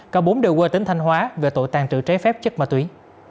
cả bốn đều qua tính thanh hóa về tội tàn trự trái phép chất ma túy